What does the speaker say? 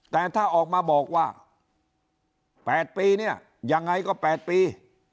แต่ถ้าออกมาบอกว่า๘ปีเนี่ยยังไงก็๘ปี